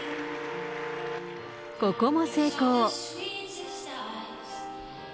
ここも成功。